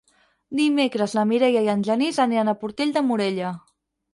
Dimecres na Mireia i en Genís aniran a Portell de Morella.